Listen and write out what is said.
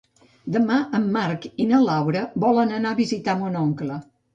Demà en Marc i na Laura volen anar a visitar mon oncle.